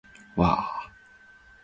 わー